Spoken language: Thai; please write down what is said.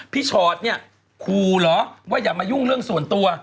พี่ชอดคูหรอว่าอย่าอยู่เรื่องส่วนตัว